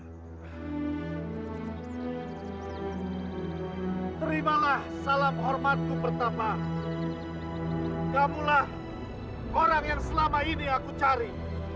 terimalah salam hormatku pertama kamulah orang yang selama ini aku cari